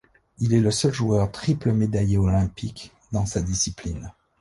Il est le seul joueur triple médaillé olympique dans sa discipline.